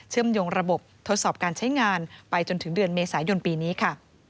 มยงระบบทดสอบการใช้งานไปจนถึงเดือนเมษายนปีนี้ค่ะ